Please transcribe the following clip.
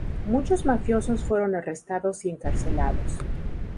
Muchos mafiosos fueron arrestados y encarcelados.